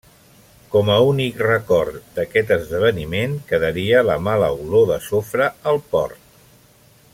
Com a únic record d'aquest esdeveniment quedaria la mala olor de sofre al port.